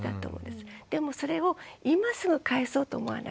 でもそれを今すぐ返そうと思わなくていいんですね。